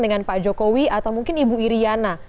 dengan pak jokowi atau mungkin ibu iryana